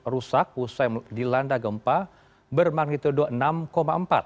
rusak usai dilanda gempa bermagnitudo enam empat